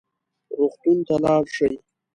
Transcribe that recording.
روغتون ته لاړ شئ